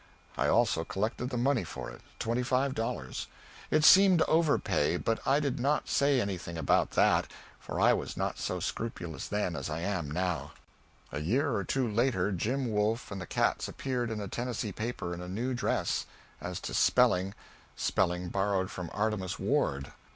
I also collected the money for it twenty five dollars. It seemed over pay, but I did not say anything about that, for I was not so scrupulous then as I am now. A year or two later "Jim Wolf and the Cats" appeared in a Tennessee paper in a new dress as to spelling; spelling borrowed from Artemus Ward.